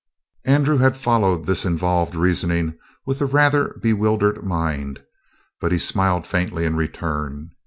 Andrew had followed this involved reasoning with a rather bewildered mind, but he smiled faintly in return.